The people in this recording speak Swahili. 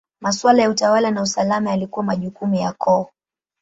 Maswala ya utawala na usalama yalikuwa majukumu ya koo.